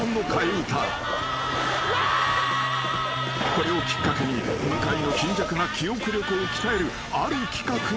［これをきっかけに向井の貧弱な記憶力を鍛えるある企画が始動］